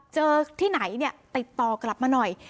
ที่ไหนเนี่ยติดต่อกลับมาหน่อย